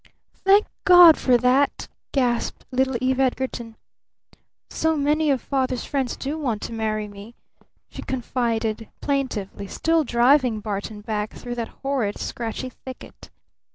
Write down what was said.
"Thank God for that!" gasped little Eve Edgarton. "So many of Father's friends do want to marry me," she confided plaintively, still driving Barton back through that horrid scratchy thicket.